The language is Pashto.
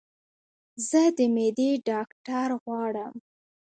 زه د معدي ډاکټر غواړم